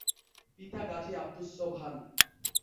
পিতা গাজী আব্দুস সোবহান।